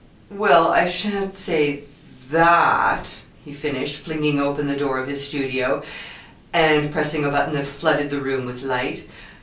"Well, I sha'n't say that," he finished, flinging open the door of his studio, and pressing a button that flooded the room with light.